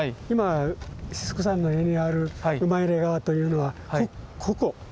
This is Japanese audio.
今シスコさんの絵にあるウマイレガワというのはここ。